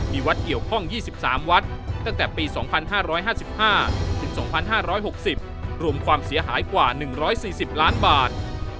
มีวัดเกี่ยวข้อง๒๓วัดตั้งแต่ปี๒๕๕๕๒๕๖๐รวมความเสียหายกว่า๑๔๐ล้านบาท